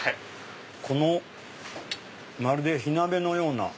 このまるで火鍋のような。